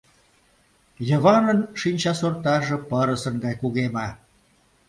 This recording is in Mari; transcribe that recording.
Йыванын шинчасортаже пырысын гай кугеме.